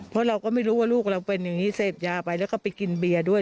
เพราะเราก็ไม่รู้ว่าลูกเราเป็นอย่างนี้เสพยาไปแล้วก็ไปกินเบียร์ด้วย